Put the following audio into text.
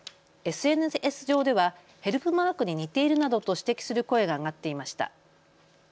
ＳＮＳ上ではヘルプマークに似ているなどと指摘する声が上がっていました。